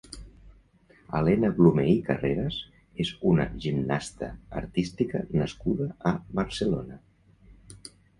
Elena Blume i Carreras és una gimnasta artística nascuda a Barcelona.